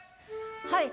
はい。